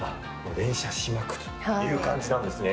連写しまくるという感じなんですね。